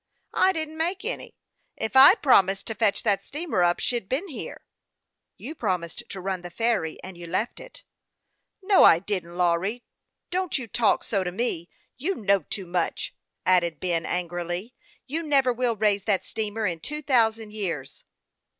" I didn't make any. If I'd promised to fetch that steamer up, she'd been here." " You promised to run the ferry, and you left it." " No, I didn't, Lawry. Don't you talk so to me. 148 HASTE AND WASTE, OK You know too much," added Ben, angrily. " You never will raise that steamer in two thousand years."